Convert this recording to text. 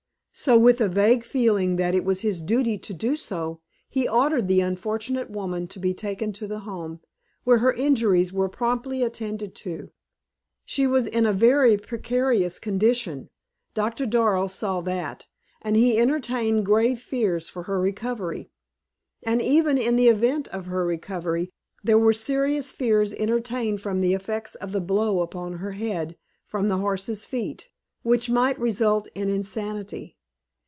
So, with a vague feeling that it was his duty to do so, he ordered the unfortunate woman to be taken to the Home, where her injuries were promptly attended to. She was in a very precarious condition; Doctor Darrow saw that, and he entertained grave fears for her recovery. And, even in the event of her recovery, there were serious fears entertained from the effects of the blow upon her head from the horse's feet, which might result in insanity.